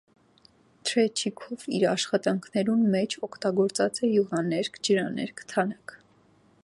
Թրեչիքոֆ իր աշխատանքներուն մէջ օգտագործած է իւղաներկ, ջրաներկ, թանաք։